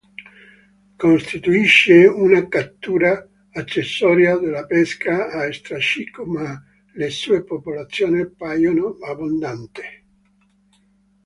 Costituisce una cattura accessoria della pesca a strascico ma le sue popolazioni paiono abbondanti.